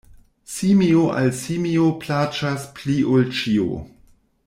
Simio al simio plaĉas pli ol ĉio.